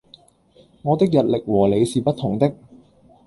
我的日曆和你是不同的！